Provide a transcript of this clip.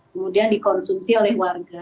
kemudian dikonsumsi oleh warga